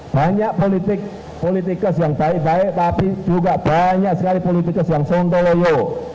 banyak politik politikus yang baik baik tapi juga banyak sekali politikus yang sontoloyo